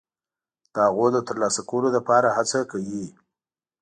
د هغو د ترلاسه کولو لپاره هڅه کوي.